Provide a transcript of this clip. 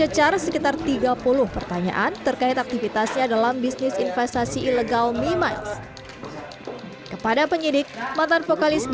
ajun mengaku dirinya sudah dua bulan menjadi member memiles dan telah mendapatkan hasil